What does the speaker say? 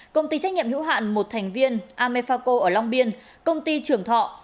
công ty trách nhiệm hữu hạn một thành viên amefaco ở long biên công ty trường thọ